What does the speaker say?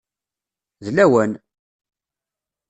D lawan!